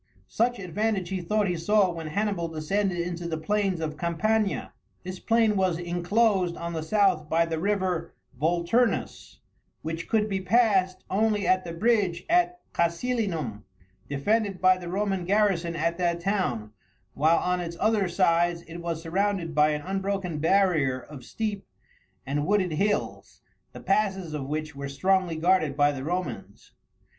Such advantage he thought he saw when Hannibal descended into the plain of Campania. This plain was inclosed on the south by the river Vulturnus, which could be passed only at the bridge at Casilinum, defended by the Roman garrison at that town, while on its other sides it was surrounded by an unbroken barrier of steep and wooded hills, the passes of which were strongly guarded by the Romans.